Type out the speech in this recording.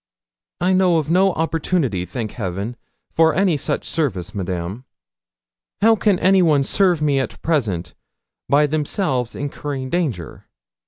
'I know of no opportunity, thank Heaven, for any such service, Madame. How can anyone serve me at present, by themselves incurring danger?